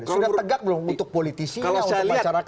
sudah tegak belum untuk politisinya